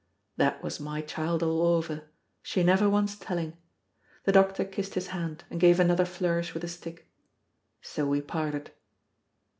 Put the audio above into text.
That was my child all over! she never wants telling. The doctor kissed his hand, and gave another flourish with his stick. So we parted.